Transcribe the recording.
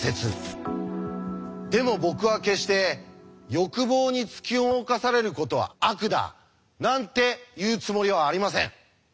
でも僕は決して「欲望に突き動かされることは悪だ」なんて言うつもりはありません。